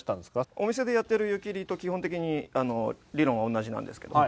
お店でやっている湯切りと基本的に理論は同じなんですけども。